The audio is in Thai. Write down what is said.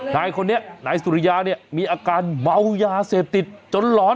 นายคนนี้นายสุริยาเนี่ยมีอาการเมายาเสพติดจนหลอน